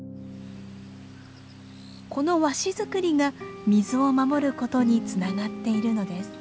この和紙作りが水を守ることにつながっているのです。